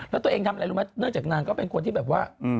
แล้วตัวเองทำอะไรรู้ไหมเนื่องจากนางก็เป็นคนที่แบบว่า